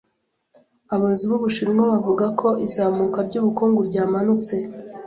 Abayobozi b’Ubushinwa bavuga ko izamuka ry’ubukungu ryamanutse